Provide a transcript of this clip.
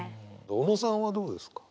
小野さんはどうですか？